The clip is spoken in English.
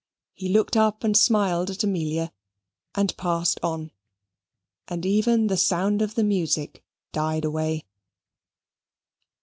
He looked up, and smiled at Amelia, and passed on; and even the sound of the music died away.